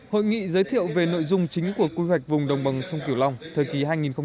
hội nghị giới thiệu về nội dung chính của quy hoạch vùng đồng bằng sông kiều long thời kỳ hai nghìn hai mươi một